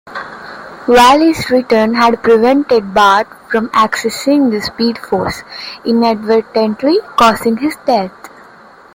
Wally's return had prevented Bart from accessing the Speed Force, inadvertently causing his death.